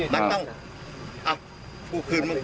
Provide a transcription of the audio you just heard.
มันต้อง